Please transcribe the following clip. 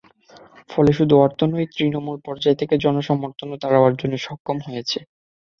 ফলে শুধু অর্থ নয়, তৃণমূল পর্যায় থেকে জনসমর্থনও তারা অর্জনে সক্ষম হয়েছে।